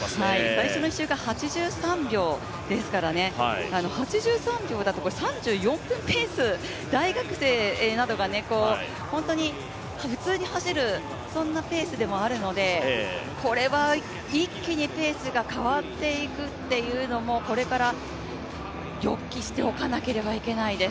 最初の１周が８３秒ですから、８３秒だと３４分ペース、大学生などが本当に普通に走るペースでもあるので、これは一気にペースが変わっていくというのもこれから予期しておかなかなければいけないです。